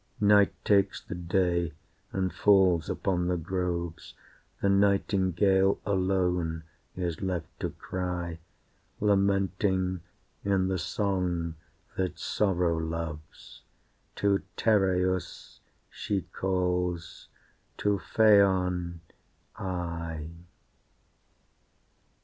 Night takes the day and falls upon the groves, The nightingale alone is left to cry, Lamenting, in the song that sorrow loves, To Tereus she calls, to Phaon, I.